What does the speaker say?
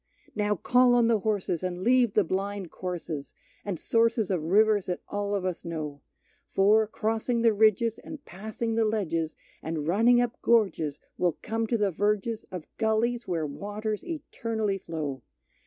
Now call on the horses, and leave the blind courses And sources of rivers that all of us know; For, crossing the ridges, and passing the ledges, And running up gorges, we'll come to the verges Of gullies where waters eternally flow.